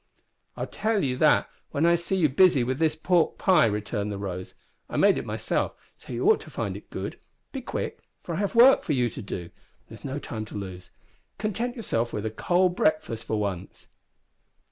"I'll tell you that when I see you busy with this pork pie," returned the Rose. "I made it myself, so you ought to find it good. Be quick, for I have work for you to do, and there is no time to lose. Content yourself with a cold breakfast for once."